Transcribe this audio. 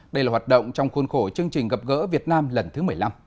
đây là hoạt động trong khuôn khổ chương trình gặp gỡ việt nam lần thứ một mươi năm